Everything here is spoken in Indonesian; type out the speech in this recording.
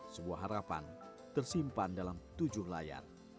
sebuah harapan tersimpan dalam tujuh layar